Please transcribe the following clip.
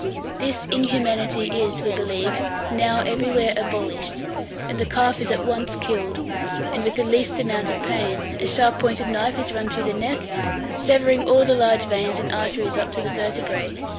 This inhumanity is, we believe, now everywhere abolished, and the calf is at once killed, and with the least amount of pain; a sharp pointed knife is run through the neck, severing all the large veins and arteries up to the vertebrae.